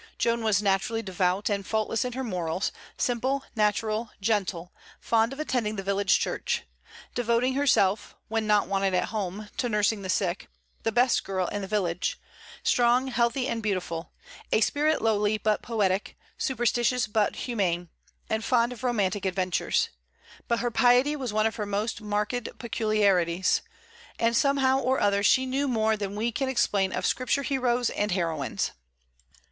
Joan was naturally devout, and faultless in her morals; simple, natural, gentle, fond of attending the village church; devoting herself, when not wanted at home, to nursing the sick, the best girl in the village; strong, healthy, and beautiful; a spirit lowly but poetic, superstitious but humane, and fond of romantic adventures. But her piety was one of her most marked peculiarities, and somehow or other she knew more than we can explain of Scripture heroes and heroines.